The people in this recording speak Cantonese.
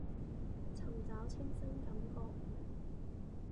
尋找清新感覺